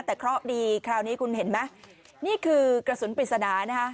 แต่เคราะห์ดีคราวนี้คุณเห็นไหมนี่คือกระสุนปริศนานะคะ